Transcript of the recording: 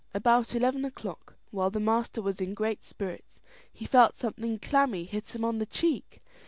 About eleven o'clock, while the master was in great spirits, he felt something clammy hit him on the cheek.